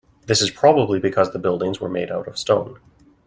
This is probably because the buildings were made out of stone.